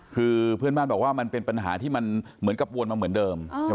คือเพื่อนบ้านบอกว่ามันเป็นปัญหาที่มันเหมือนกับวนมาเหมือนเดิม